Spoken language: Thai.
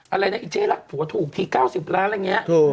อะไรนะอีเจ๊รักผัวถูกที๙๐ล้านอะไรอย่างนี้